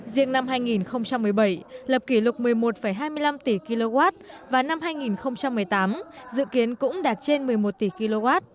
riêng năm hai nghìn một mươi bảy lập kỷ lục một mươi một hai mươi năm tỷ kw và năm hai nghìn một mươi tám dự kiến cũng đạt trên một mươi một tỷ kw